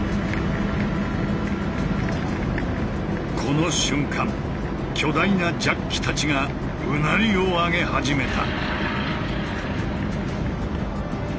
この瞬間巨大なジャッキたちがうなりを上げ始めた。